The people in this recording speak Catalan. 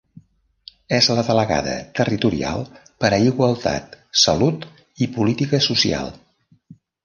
És la delegada territorial per a igualtat, salut i política social.